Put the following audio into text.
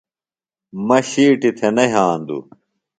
مہ شِیٹیۡ تھےۡ نہ یھاندوۡ۔